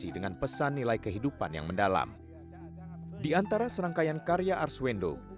di antara serangkaian karya arswendo